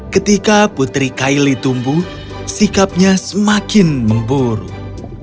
ketika putri kyli tumbuh sikapnya semakin memburuk